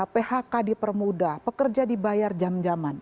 phk dipermudah pekerja dibayar jam jaman